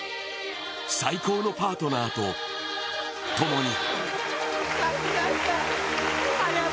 最高のパートナーと共に。